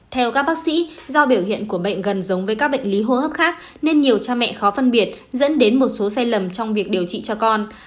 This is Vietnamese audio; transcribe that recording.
theo các bác sĩ do biểu hiện của bệnh gần giống với các bệnh lý hô hấp khác nên nhiều cha mẹ khó phân biệt dẫn đến một số sai lầm trong việc điều trị cho con